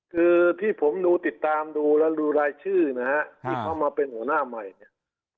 คือที่ผมดูติดตามดูแล้วดูรายชื่อนะฮะที่เข้ามาเป็นหัวหน้าใหม่เนี่ย